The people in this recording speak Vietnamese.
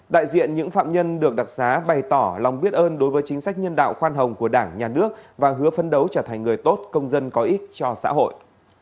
đại diện những phạm nhân được đặc giá bày tỏ lòng biết ơn đối với chính sách nhân đạo khoan hồng của đảng nhà nước và hứa phân đấu trở thành người tốt công dân có ích cho xã hội